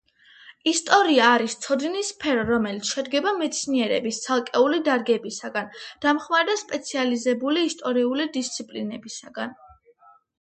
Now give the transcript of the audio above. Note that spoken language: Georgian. ისტორია არის ცოდნის სფერო, რომელიც შედგება მეცნიერების ცალკეული დარგებისაგან, დამხმარე და სპეციალიზებული ისტორიული დისციპლინებისაგან.